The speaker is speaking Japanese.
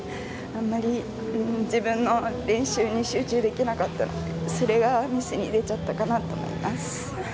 あんまり、自分の練習に集中できなかったのでそれがミスに出ちゃったかなと思います。